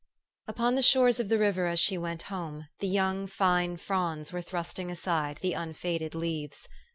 UPON the shores of the river as she went home, the young fine fronds were thrusting aside the unfaded leaves.